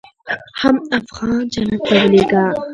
حم افغان جنت ته ولېږه.